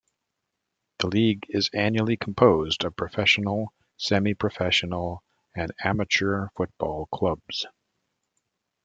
The league is annually composed of professional, semi-professional, and amateur football clubs.